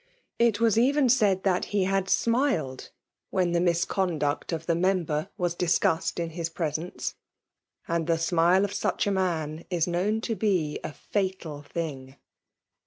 It was even saj4 that he had smiled when the misconduct 9f the member was discussed in his presence j and the smile of such a man is kno^vn to be a fiital thing!